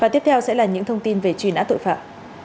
tiếp theo sẽ là những thông tin về truy nã tội phạm